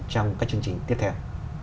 trong các chương trình tiếp theo